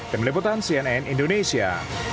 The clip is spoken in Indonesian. dari meliputan cnn indonesia